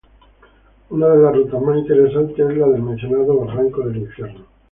Una de las rutas más interesantes es la del mencionado Barranco del Infierno.